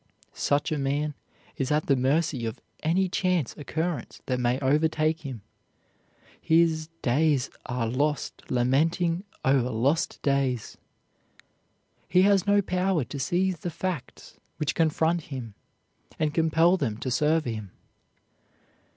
Such a man is at the mercy of any chance occurrence that may overtake him. His "days are lost lamenting o'er lost days." He has no power to seize the facts which confront him and compel them to serve him.